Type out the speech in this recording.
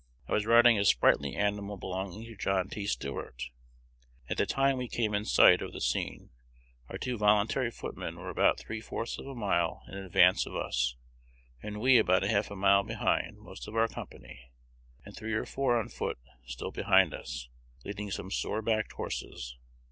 I was riding a sprightly animal belonging to John T. Stuart. At the time we came in sight of the scene, our two voluntary footmen were about three fourths of a mile in advance of us, and we about half a mile behind most of our company, and three or four on foot still behind us, leading some sore backed horses.